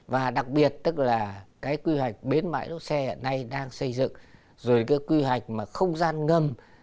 và đặc biệt tức là cái quy hoạch bến bãi đỗ xe này đang xây dựng rồi cái quy hoạch mà không gian ngâm